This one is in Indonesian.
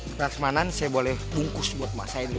prasmanan saya boleh bungkus buat mas ain dulu